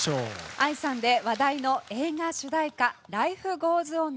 ＡＩさんで話題の映画主題歌「ＬｉｆｅＧｏｅｓＯｎ」。